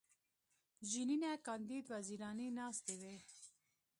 ژینینه کاندید وزیرانې ناستې وې.